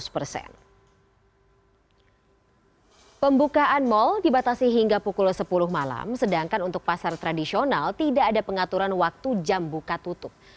pembukaan mal dibatasi hingga pukul sepuluh malam sedangkan untuk pasar tradisional tidak ada pengaturan waktu jam buka tutup